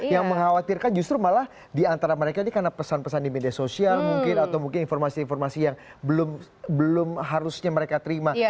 yang mengkhawatirkan justru malah diantara mereka ini karena pesan pesan di media sosial mungkin atau mungkin informasi informasi yang belum harusnya mereka terima